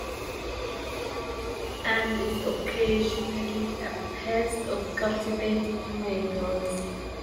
and is occasionally a pest of cultivated tomatoes.